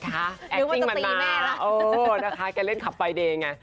นึกว่าจะตีแม่ละแอคติ้งมันมาแกเล่นขับไปเนี่ย